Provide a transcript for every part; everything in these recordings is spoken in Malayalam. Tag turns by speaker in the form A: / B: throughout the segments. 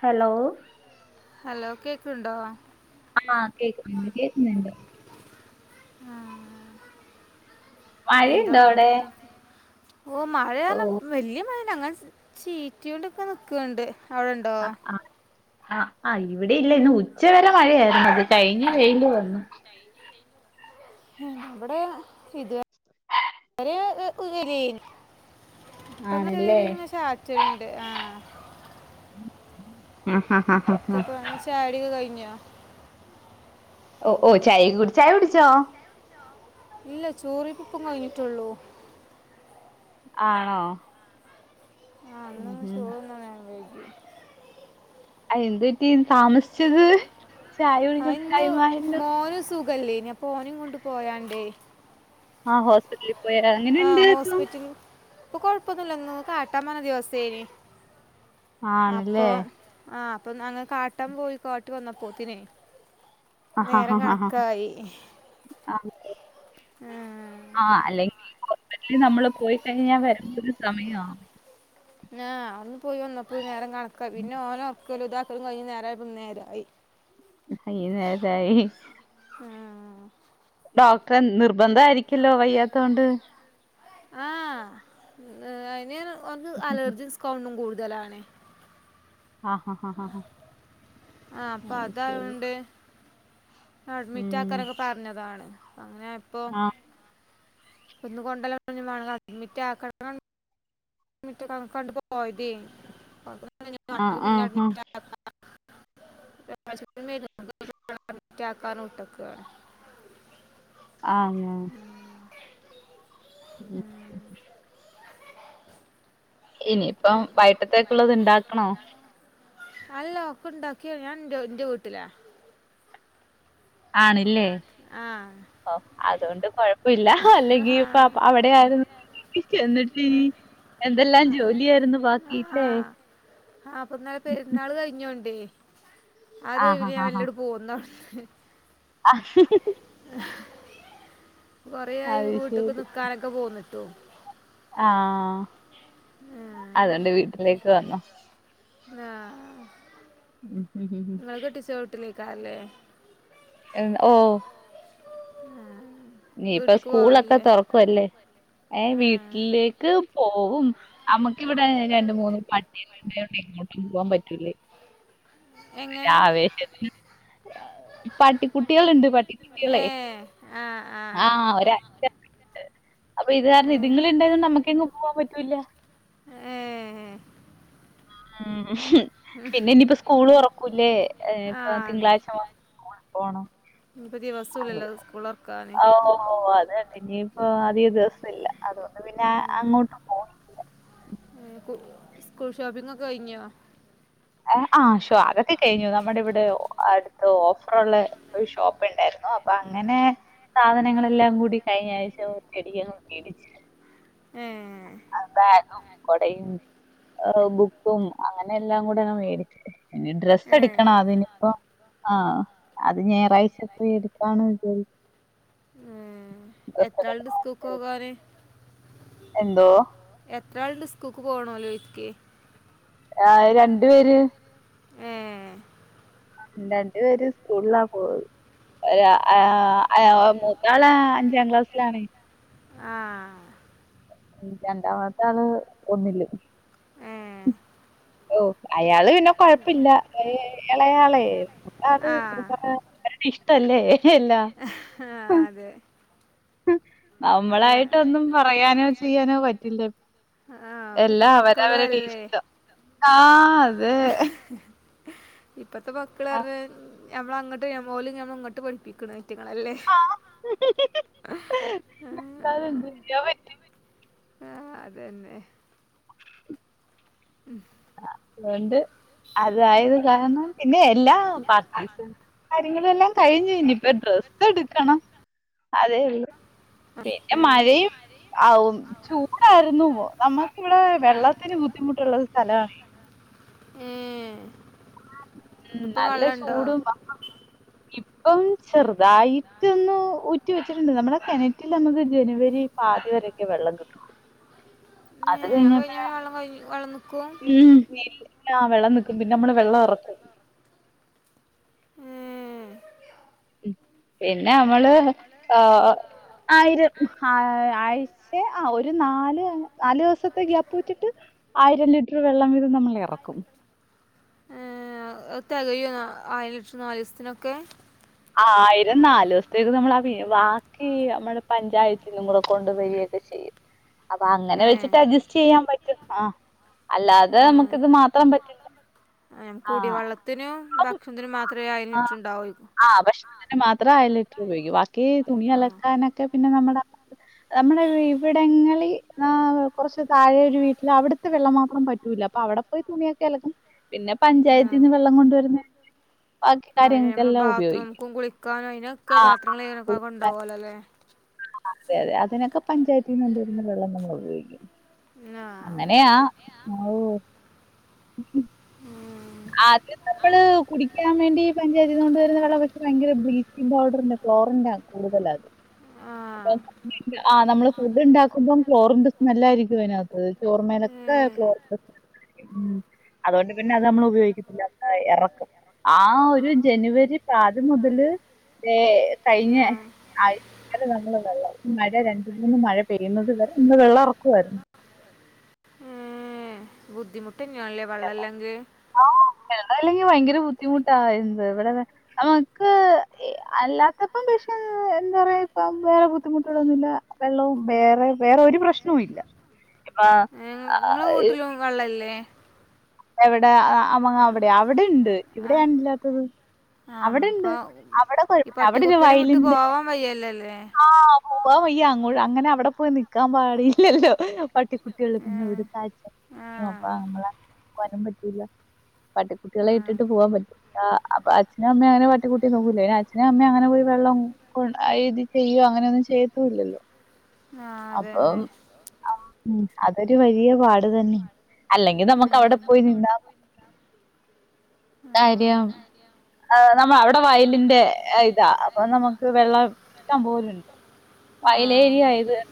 A: ഹലോ
B: ഹലോ കേക്ക്ണ്ടോ
A: ആഹ് കേക്കുന്നുണ്ട് കേക്കുന്നുണ്ട്
B: ആഹ് എന്താ വർത്താനം ഓഹ് മഴയാണ് വല്യ മഴല്ല അങ്ങനെ ചീറ്റിയോണ്ടൊക്കെ നിക്കണ്ട്‌
A: അഹ് ആഹ് ആഹ് ആഹ് ഇവിടെ ഇല്ല ഇന്ന് ഉച്ചവരെ മഴയായിരുന്നു അത് കഴിഞ് വെയിൽ വന്നു
B: വ്ടെ ഇത് വ [unintelligible] ഇപ്പൊ [unintelligible] ചാറ്റല്ണ്ട് ആഹ്
A: ഹാ ഹാ ഹാ
B: [unintelligible] ചായകുടി ഒക്കെ കഴിഞ്ഞോ
A: ഒഹ് ഓഹ് ചായു കുടി ചായകുടിച്ചോ
B: ഇല്ല ചോറെയിപ്പ് പ്പം കഴിഞ്ഞിട്ടുള്ളൂ
A: ആണോ
B: ആഹ് ഇന്ന് ചോറ് തിന്നാൻ നേരം വൈകി ആഹ് ഇന്ന് മോന് സു ഖല്ലേയ്നി അപ്പൊ ഓനേം കൊണ്ട് പോയാണ്ടേ
A: ആഹ് ഹോസ്പിറ്റലിൽ പോയാ എങ്ങനെണ്ട് പ്പം
B: പ്പൊ കൊഴപ്പൊന്നുല്ല ന്നൊന്ന് കാട്ടാൻ പറഞ്ഞ ദിവസേനി അപ്പൊ ആഹ് അപ്പൊ ന്നങ് കാട്ടാൻ പോയി കാട്ടി വന്നപ്പോത്തിനെ
A: അഹ് ഹാ ഹാ ഹാ ഹാ ആഹ് ആഹ് അല്ലെങ്കിൽ അല്ലെങ്കിൽ നമ്മൾ പോയി കഴിഞ്ഞാൽ വരുമ്പോ ഒരു സമയം ആവും
B: ആഹ് അന്ന് പോയി വന്നപ്പോ നേരം കണക്കായി പിന്നെ ഓനെ ഉറക്കലും ഇദാക്കലും കഴിഞ് നേരായപ്പോ ഈ നേരായി
A: അയ്ന് [unintelligible]
B: ആഹ്
A: ഡോക്ടറെ നിർബന്ധ ആയിരിക്കല്ലോ വയ്യാത്തോണ്ട്
B: ആഹ് അയ്ൻ ഒൻക് അലർജിം സ്കൗുണ്ടും കൂടുതലാണ്
A: ആഹ് ഹാ ഹാ ഹാ
B: ആഹ് അപ്പൊ അതായോണ്ട് അഡ്മിറ്റ് ആക്കാനൊക്കെ പറഞ്ഞതാണ് അങ്ങനെ ആയപ്പോ ഇപട്ന്ന് കൊണ്ടയ നാളെ അഡ്മിറ്റ് അക്കണം. [unintelligible] പോയത [unintelligible] അഹ് പിന്നെ അഡ്മിറ്റാക്ക [unintelligible]
A: ആഹ് ഉം ഇനിയിപ്പം വൈകിട്ടത്തേക്ക് ള്ളത് ഇണ്ടാക്കണോ
B: അല്ല ഒക്ക ഉണ്ടാക്കിയ ഞാൻ ന്റെ ന്റെ വീട്ടില ആഹ്
A: ഓഹ് അതോണ്ട് കൊഴപ്പില്ല അല്ലെങ്കി ഇപ്പ അവിടെ ആയിരുന്നു ചെന്നിട്ടീ എന്തെല്ലാം ജോലിയായിരുന്നു ബാക്കില്ലേ
B: ആഹ് പ്പൊന്നെലെ പെരുന്നാൾ കഴിഞ്ഞോണ്ടേ ആദ്യ ഇവര് ഞാൻ വെല്ലേ പോന്നാട്ന്ന്
A: ആഹ്
B: കൊറേയായി വീട്ട്ക്ക് നിക്കാനൊക്കെ പോന്നിട്ടു
A: ആഹ് അതോണ്ട് വീട്ടിലേക്ക് വന്നോ
B: ആഹ് ങ്ങള് കെട്ടിച്ച വീട്ടില് എയ്ക്കാരംലെ
A: എഹ് ഓഹ് നി ഇപ്പ സ്കൂളൊക്കെ തുറക്കുവല്ലേ ഏഹ് വീട്ടിലേക്ക് പോവും അമ്മക്കിവിടെ രണ്ട് മൂന്ന് പട്ടിഒക്കെണ്ട് അതോണ്ട് എങ്ങോട്ടും പോകാൻ പറ്റൂലേ ഒരാവേശത്തിന്. പട്ടിക്കുട്ടികള്ണ്ട് പട്ടിക്കുട്ടികളെ
B: ആഹ്
A: ആഹ് ഒര അപ്പൊ ഇത് കാരണം ഇതിങ്ങൾ ഇണ്ടായതോണ്ട് നമ്മക്കെങ്ങും പോകാൻ പറ്റൂല്ല.
B: ഏഹെ
A: ഉം പിന്നെ ഇനിയിപ്പോ സ്കൂൾ തുറക്കൂല്ലേ ഇപ്പ തിങ്കളാഴ്ച്ചാ [unintelligible] പോണം
B: ഇഞ്ഞിപ്പൊ ദിവസൂല്ലല്ലോ സ്കൂളൊർക്കാന്.
A: ഓഹ് അത് തന്നെ, ഇനിയിപ്പോ അധിക ദിവസ ഇല്ല അതുകൊണ്ട് പിന്നെ അങ്ങോട്ട് പോയി
B: ഉം കു സ്കൂൾ ഷോപ്പിംങ്ങ് ഒക്കെ കയ്ഞ്ഞോ?
A: ഏഹ് ആഹ് ഷോ അതൊക്കെ കഴിഞ്ഞു ന്നമ്മുടെ ഇവിടെ അടുത്ത് ഓഫറുള്ളെ ഒരു ഷോപ്പ് ഇണ്ടായിരുന്നു അപ്പൊ അങ്ങനെ സാധനങ്ങളെല്ലാം കൂടി കഴിഞ്ഞ ആഴ്ച്ച ഒ റ്റയടിക്കങ്ങ് മേടിച്ച്.
B: ഏഹ്
A: ബേഗും. കൊടയും. ഏഹ് ബുക്കും അങ്ങനെ എല്ലാം കൂടെ അങ്ങ് മേടിച്ച്. ഇനി ഡ്രസ്സ് എടുക്കണം അതിനിപ്പം ആഹ് അത് ഞായറാഴ്ച പോയി എടുക്കാണ് വിചാരി
B: ക്കൂക്കോകാന്
A: എന്തോ?
B: എത്ര ആള്ണ്ട് ഉസ്കൂൾക്ക് പോണോല് ചോയ്ക്കെ.
A: ആഹ് രണ്ടു പേര്.
B: ഏഹ്
A: രണ്ട് പേര് സ്കൂളിലാ പോവ് ഏഹ് ഏഹ് മൂത്താള് അഞ്ചാം ക്ലാസ്സിലാണ്.
B: ആഹ്
A: രണ്ടാമത്തെ ആള് ഒന്നില്. ഓഹ് അയാള് പിന്നെ കൊഴപ്പില്ല എയ് അയാളയാളെ അത് [unintelligible] അവരുടെ ഇഷ്ട്ട അല്ലേ എല്ലാം
B: അഹാ അതെ
A: നമ്മളായിട്ടൊന്നും പറയാനോ ചെയ്യാനോ പറ്റില്ല. എല്ലാം അവനവരുടെ ഇഷ്ട്ടം ആഹ്
B: ഇപ്പത്തെ മക്കള് പർഞ് ഞമ്മളങ്ങട്ട് ഞം ഓല് ഞമ്മളെ ഇങ്ങട്ട് പഠിപ്പിക്ക്ണേറ്റങ്ങളല്ലേ.
A: [unintelligible]
B: അതെന്നെ.
A: അതുകൊണ്ട് അതായത് കാരണം പിന്നെ എല്ലാ പാർട്ടീസും കാര്യങ്ങളു എല്ലാം കഴിഞ്ഞു ഇനിപ്പം ഡ്രസ്സ് എടുക്കണം അതേയൊള്ളു. പിന്നെ മഴയും അവും ചൂടായിരുന്നു പോ നമ്മക്ക് ഇവിടെ വെള്ളത്തിന് ബുദ്ധിമുട്ടുള്ളൊരു സ്ഥലവാണേ.
B: ന്നട്ട് ഇപ്പൊ വെള്ളണ്ടോ?
A: ഇപ്പം ചെറുതായിറ്റൊന്ന് ഊറ്റി വെച്ചിട്ടുണ്ട് നമ്മുടെ കെണറ്റിൽ നമ്മക്ക് ജനുവെരി പാതി വരെയൊക്കെ വെള്ളം കിട്ടുള്ളു. അത് കഴിഞ്ഞപ്പഴാ
B: വെള്ളം കയ്ഞ്ഞു വെള്ളം നിക്കും?
A: ഉം വീ ആ വെള്ളം നിക്കും പിന്നമ്മള് വെള്ളെറക്കും. ഉം പിന്നെ അമ്മള് ആഹ് ആയിരം ആ ആയ് ച്ചെ ആ ഒരു നാല് നാലുദിവസത്തെ ഗ്യാപ്പ് വെച്ചിട്ട് ആയിരം ലിറ്റർ വെള്ളം വീതം ന്നമ്മളെറക്കും.
B: ആഹ് അഹ് തെകയോ ആയിരം ലിറ്ററ് നാലീസത്തിനൊക്കെ?
A: ആയിരം നാല് ദിവസത്തേക്ക് ന്നമ്മള് പി ബാക്കി നമ്മള് പഞ്ചായത്തിന്നും കൂടെ കൊണ്ട് വരിയൊക്കെ ചെയ്യും. അപ്പൊ അങ്ങനെ വെച്ചിട്ട് അഡ്ജസ്റ്റെയ്യാൻ പറ്റും ആഹ്. അല്ലാതെ നമുക്കിത് മാത്രം പറ്റി
B: എഹ് കുടി വെള്ളത്തിനും ഭക്ഷണത്തിനും മാത്രമേ ഈ ആയിരം ലിറ്ററ്ണ്ടാവേക്കും
A: ആ ഭക്ഷണത്തിന് മാത്രം ആയിരം ലിറ്ററുപയോഗിക്കൂ ബാക്കി തുണിയലക്കാനൊക്കെ പിന്നെ നമ്മുടെ നമ്മുടെ ഇവിടങ്ങളിൽ ദാ കുറച്ച് താഴെ ഒരു വീട്ടില് അവിടുത്തെ വെള്ളം മാത്രം വറ്റൂ ല്ല അപ്പവിടെ പോയി തുണിയൊക്കെ അലക്കും പിന്നെ പഞ്ചായത്തിന്ന് വെള്ളം കൊണ്ടുവരുന്ന ബാക്കി കാര്യങ്ങൾക്കെല്ലാം ഉപ
B: ബാത്റൂമുക്കും, കുളിക്കാനും, അയിനൊക്കെ പാത്രങ്ങള് കഴിക്കാനൊക്കെണ്ടാവല്ലോല്ലേ?
A: അതെ അതെ അതിനൊക്കെ പഞ്ചായത്തിന്ന് കൊണ്ട് വരുന്ന വെള്ളം നമ്മള് ഉപയോഗിക്കും അങ്ങനെയാ ഓഹ് ആദ്യം നമ്മള് കുടിക്കാൻ വേണ്ടി പഞ്ചായത്തിന്ന് കൊണ്ട് വരുന്ന വെളളം പക്ഷേ ഭയങ്കര ബ്ലീച്ചിംഗ് പൗഡറിന്റെ ക്ലോറന്റാ കൂടുതലതില് അതെ ആ നമ്മള് ഫുഡ്ണ്ടാക്കുമ്പോ ക്ലോറിന്റെ സ്മെല്ലായിരിക്കും അയിനാത്ത് ചോർമേലൊക്കെ ക്ലോറിന്റെ സ്മെല്ല് ഉം അതുകൊണ്ട് പിന്നെ അത് നമ്മള് ഉപ യോഗിക്കത്തില്ല അങ്ങ് യെറക്കും ആ ഒരു ജനുവരി പാതി മുതല് മറ്റേ കഴിഞെ ആയച്ചേല് നമ്മള് വെള്ളം മഴ രണ്ട് മൂന്ന് മഴ പെയ്യുന്നത് വരെ വെള്ളെറക്കവായിരുന്നു
B: ബുദ്ധിമുട്ടന്നെ ആണ് ല്ലേ? വെള്ളല്ലെങ്കില്?
A: ആ വെള്ളവില്ലെങ്കി ഭയങ്കര ബുദ്ധിമുട്ടാ എന്ത് ഇവടെ നമുക്ക് അല്ലാത്തപ്പം പക്ഷെ എന്താ പറയാപ്പം വേറെ ബുദ്ധിമുട്ടുകളൊന്നുല്ല വെള്ളവും വേറെ വേറൊരു പ്രശ്നവുല്ല ഇപ്പ
B: ഇങ്ങളെ വീട്ടിലും വെള്ളല്ലേ?
A: എവിടെ ആ അമ്മളവിടെ അവിടെയിണ്ട് ഇവിടെയാണില്ലാത്തത് അവിടെണ്ട് അവിടെ കൊഴപ്പല്ല അവിടൊരു വയലിന്റെ പോവാൻ വയ്യ അങ്ങോട് അങ്ങനെ അവിടെ പോയി നിക്കാൻ പാടയില്ലല്ലോ പട്ടിക്കുട്ടികള്ള് പിന്നെ ഇവിട്ച്ച
B: ആഹ്
A: പോവാനും പറ്റില്ല പട്ടിക്കുട്ടികളെയിട്ടിട്ട് പോവാൻ പറ്റൊ? ആ അപ്പൊ അച്ഛനും അമ്മേ അങ്ങനെ പട്ടിക്കുട്ടിയെ നോക്കൂലെ പിന്നെ അച്ഛനും അമ്മയും അങ്ങനെ പോയി വെള്ളവും ക്കെ ഇത് ചെയ്യോ അങ്ങനെയൊന്നും ചെയ്യത്തൂല്ലല്ലോ?
B: ആഹ് അതന്നെ
A: ഉം അതൊരു വലിയ പാട് തന്നെ അല്ലെങ്കി നമുക്കവിടെ പോ പോയി നിന്നാ മതി കാര്യം ആ നമ്മളവിടെ വയലിന്റെ ഇതാ അപ്പൊ നമുക്ക് വെള്ളം ഇഷ്ടം പോലുണ്ട് വയലേരിയായത് കാരണം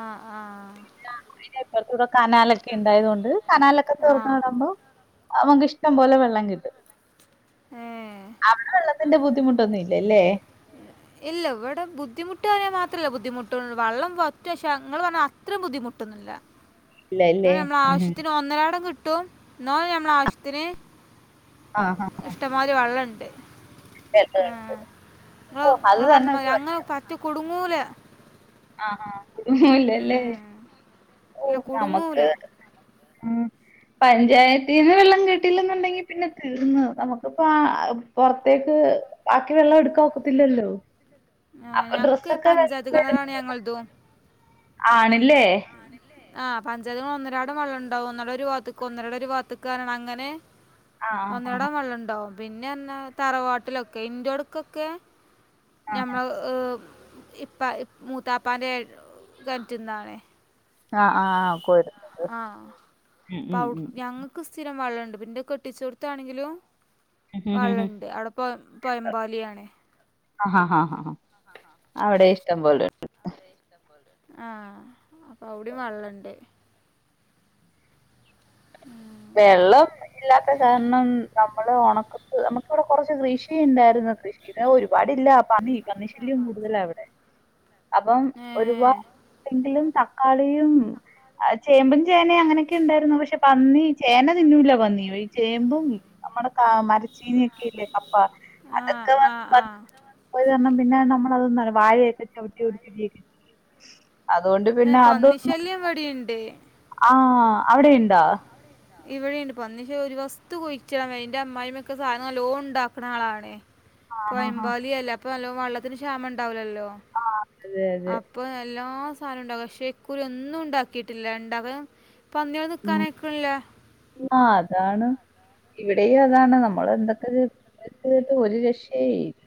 B: ആഹ് ആഹ്
A: ആ അയിനിപ്പർത്തൂടെ കനാലൊക്കെ ഇണ്ടായത് കൊണ്ട് കനാലൊക്കെ തൊർന്ന് വിടുമ്പോ നമ്മക്കിഷ്ടം പോലെ വെള്ളം കിട്ടും അവിടെ വെള്ളത്തിന്റെ ബുദ്ധിമുട്ടൊന്നും ഇല്ലല്ലേ?
B: ഇല്ല ഇവിടെ ബുദ്ധിമുട്ട് പറായാൻ മാത്രള്ള ബുദ്ധിമുട്ട് വെള്ളം വറ്റും പക്ഷേ ഇങ്ങള് പറഞ്ഞ അത്ര ബുദ്ധിമുട്ടൊന്നുമില്ല. എന്ന നമ്മള ആവശ്യത്തിന് ഒന്നരാടം കിട്ടും എന്നാലും ഞമ്മളെ ആവശ്യത്തിന്
A: ആ ആഹ്
B: ഇഷ്ടംമാതിരി വെള്ളണ്ട് ഉം ങ്ങ ങ്ങള് പറഞ്ഞമാതിരി അങ്ങനെ റ്റ കുടുങ്ങൂല
A: ആ ആ കുടുങ്ങൂലല്ലേ ഓ നമുക്ക് ആ പഞ്ചായത്തീന്ന് വെള്ളം കിട്ടില്ലെന്നുണ്ടെങ്കി പിന്നെ തീർന്ന്, നമുക്കിപ്പം പൊറത്തേക്ക് ബാക്കി വെള്ളം എടുക്കാ നോക്കത്തില്ലല്ലോ അപ്പൊ ഡ്രസ്സൊക്കെ
B: [unintelligible] ഞങ്ങള്തും
A: ആണല്ലേ
B: ആഹ് പഞ്ചായത്തി ഒന്നരാടം വെള്ളണ്ടാവും ഒന്നാരടെ ഒരു വാത്തക്ക് ഒന്നരാടെ ഒരു വാത്ത്ക്കാണ് അങ്ങനെ ഒന്നരാടം വെള്ളുണ്ടാവും. പിന്നാറ്ഞ്ഞ തറവാട്ടിലൊക്കെ ഇൻ്റോട്ക്കൊക്കെ ഞമ്മൾ ഇപ്പ മൂത്താപ്പാന്റെ കെണ്റ്റ്ന്നാണേ.
A: ആഹ് ആ ആ കോര
B: ആ് പവ് ഞങ്ങൾക്ക് സ്ഥിരം വെള്ളണ്ട്, പിന്നെ കെട്ടിച്ചോടുത്താണെങ്കിലും. വെള്ളണ്ട് അവിടെ പയമ്പാലി ആണേ
A: ആ ഹാ ഹാ ഹ
B: ആഹ ആഹ
A: അവിടെ ഇഷ്ടം പോലെ
B: ആഹ അപ്പൊ അവിടയും വെള്ളണ്ട്.
A: വെള്ളം ഇല്ലാത്ത കാരണം നമ്മള് ഉണക്കത്ത് നമുക്കിവിടെ കൊറച്ച് കൃഷി ഉണ്ടായിരുന്നു. പ്രതീക്ഷിക്കുന്ന ഒരുപാടില്ല പണി പന്നി ശല്യം കൂടുതല ഇവിടെ അപ്പം ഒരുപാട് എങ്കിലും തക്കാളിയും ചേമ്പും ചേനയും അങ്ങനെയൊക്കെ ഉണ്ടായിരുന്നു പക്ഷെ പന്നി എന്നനെ തിന്നൂല പന്നീ ഈ ചേമ്പും നമ്മുടെ കാ മരച്ചീനൊക്കെ ഇല്ലേ കപ്പ
B: ആഹ ആഹ ആഹ
A: ഓല്പർഞ്ഞു പിന്നെ നമ്മളതന്ന വാഴയൊക്കെ ചവിട്ടി [unintelligible] അതുകൊണ്ട് പിന്നെ അതൊന്നും
B: [unintelligible] ഇവടി ഉണ്ട്
A: ആഹ അവിടെണ്ടാ
B: ഇവിടെണ്ട് പന്നി ക്ഷേ ഒരു വസ്തു കുഴിച്ചിടാന് [unintelligible] ഇൻ്റെ അമ്മായിമ്മ ഒക്കെ സാധന നല്ലോ ഉണ്ടാക്കുന്ന ആളാണേ. പെയമ്പാലി അല്ലേ അപ്പൊ നല്ല വള്ളത്തിന് ക്ഷാമ ഉണ്ടാവൂലല്ലോ.
A: ആഹ അതെ അതെ
B: ഇപ്പോൾ എല്ലാ സാധനവും ഉണ്ടാകും. പക്ഷേ ഇക്കുറി ഒന്നും ഉണ്ടാക്കിയിട്ടില്ല ഉണ്ടാക്കൻ പന്നികൾ നിക്കാനയക്കണില്ല
A: ആഹ അതാണ് ഇവിടെയും അതാണ് നമ്മൾ എന്തൊക്കെട്ട് ഒരു രക്ഷേ ഇല്ല.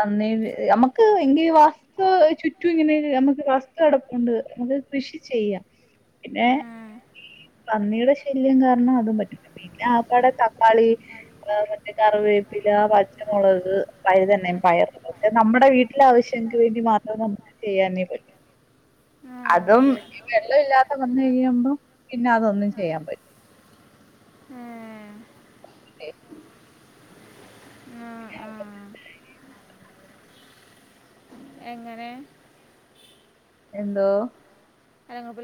A: അന്നേ നമക്ക് എങ്കി വാ ക്ക് ചുറ്റും ഇങ്ങനെ നമുക്ക് വസ്തു കെടപ്പുണ്ട് നമുക്ക് കൃഷി ചെയ്യാം. പിന്നെ പന്നിയുടെ ശല്യം കാരണം അതും പറ്റ പിന്നെ ആകപാടെ തക്കാളി മറ്റേ കറിവേ പ്പില, പച്ചമുളക്, വഴുതന, പയർ, നമ്മുടെ വീട്ടിലെ ആവശ്യങ്ങക്ക് വേണ്ടി മാത്ര നമുക്ക് ചെയ്യാനേ പറ്റും അതും ഇള്ള ഇല്ലാത്ത വന്ന് കഴിയുമ്പോം പിന്നെ അതൊന്നും ചെയ്യാൻ പറ്റും. ഏഹ് [unintelligible]
B: എങ്ങനെ
A: എന്തോ
B: ഞാ നോക്കൂല